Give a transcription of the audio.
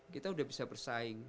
kita udah bisa bersaing